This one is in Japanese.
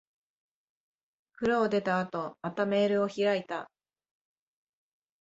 風呂を出た後、またメールを開いた。